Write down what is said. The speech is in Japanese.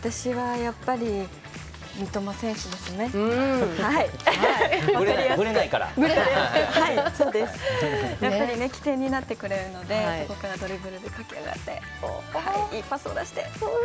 やっぱり起点になってくれるのでそこから、ドリブルで駆け上がっていいパスを出して。